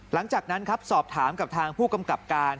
หลังจากนั้นครับสอบถามกับทางผู้กำกับการ